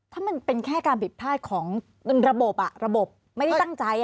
ถ้ามันเป็นแค่การผิดพลาดของระบบระบบไม่ได้ตั้งใจ